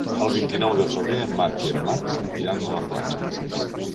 El vint-i-nou de febrer en Marc i en Marc iran a la platja.